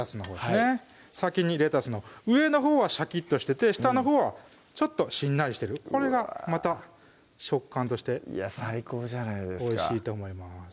はい先にレタス上のほうはシャキッとしてて下のほうはちょっとしんなりしてるこれがまた食感としていや最高じゃないですかおいしいと思います